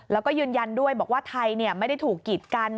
แล้วก็ยืนยันด้วยบอกว่าไทยไม่ได้ถูกกีดกัน